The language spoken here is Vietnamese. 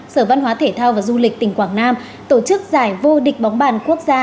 sở văn hóa thể thao và du lịch tỉnh quảng nam tổ chức giải vô địch bóng bàn quốc gia